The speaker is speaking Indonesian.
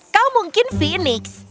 kau mungkin fenix